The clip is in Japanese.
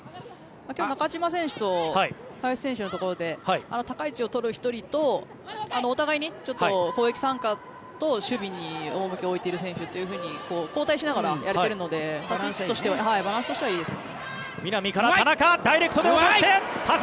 今日、中島選手と林のところで高い位置を取る１人とお互いに攻撃参加と、守備に重きを置いてる選手と交代しながらやれているのでバランスとしてはいいですね。